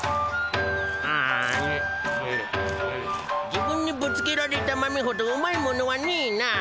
自分にぶつけられた豆ほどうまいものはねえな。